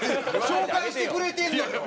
紹介してくれてるのよ。